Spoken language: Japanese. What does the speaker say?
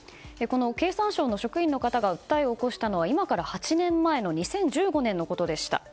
経産省の職員の方が訴えを起こしたのは今から８年前の２０１５年のことでした。